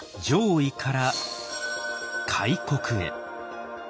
攘夷から開国へ。